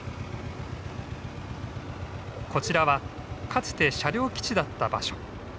こちらはかつて車両基地だった場所。